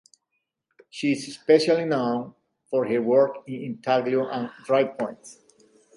She is especially known for her work in intaglio and drypoint.